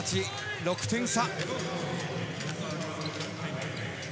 ６点差。